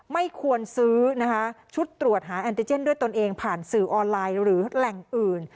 ไม่ควรซื้อนะคะชุดตรวจหาแอนติเจนด้วยตนเองผ่านสื่อออนไลน์หรือแหล่งอื่น